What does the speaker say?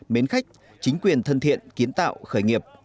mến khách chính quyền thân thiện kiến tạo khởi nghiệp